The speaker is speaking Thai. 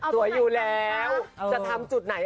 สวยอยู่แล้วจะทำจุดไหน